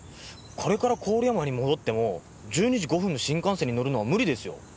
これから郡山に戻っても１２時５分の新幹線に乗るのは無理ですよ。